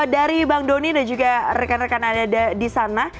dari bang doni dan juga rekan rekan ada di sana